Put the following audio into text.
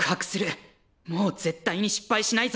もう絶対に失敗しないぞ！